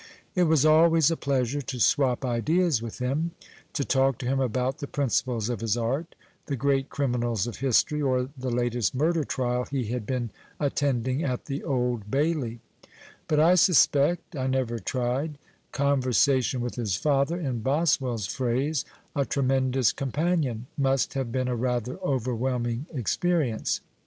It was always a pleasure to swop ideas with him, to talk to him about the principles of his art, the great criminals of history, or the latest murder trial he had been attending at the Old Bailey ; but I suspect (I never tried) con versation with his father, in Boswell's phrase, a " tremendous companion," must have been a rather overwhelming experience.